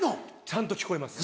ちゃんと聞こえます。